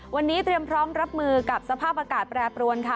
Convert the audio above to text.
วันนี้เตรียมพร้อมรับมือกับสภาพอากาศแปรปรวนค่ะ